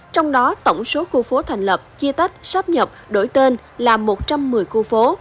trong đó tổng số khu phố thành lập chia tách sáp nhập đổi tên là một trăm một mươi khu phố